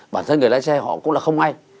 bản thân người lái xe họ cũng là không ai